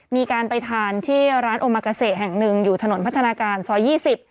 มีการไปทานที่ร้านโอมากาเซแห่งหนึ่งอยู่ถนนพัฒนาการซอย๒๐